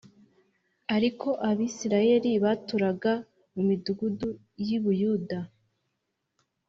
Ariko Abisirayeli baturaga mu midugudu y’i Buyuda